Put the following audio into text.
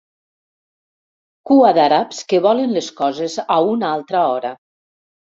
Cua d'àrabs que volen les coses a una altra hora.